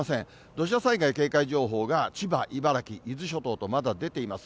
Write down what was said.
土砂災害警戒情報が、千葉、茨城、伊豆諸島とまだ出ています。